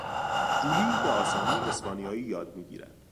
جولی به آسانی اسپانیایی یاد میگیرد.